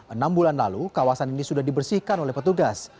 enam bulan lalu kawasan ini sudah dibersihkan oleh petugas